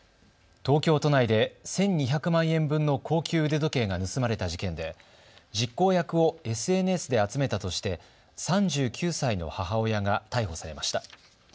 東京都内で１２００万円分の高級腕時計が盗まれた事件で実行役をＳＮＳで集めたとして３９歳の母親が逮捕されました。